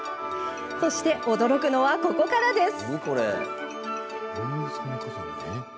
そして驚くのはここからです。